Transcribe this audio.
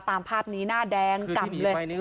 ตามภาพนี้หน้าแดงกลับเลย